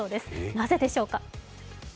なぜでしょうか。